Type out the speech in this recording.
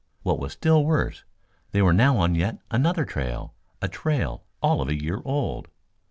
What was still worse, they were now on yet another trail, a trail all of a year old.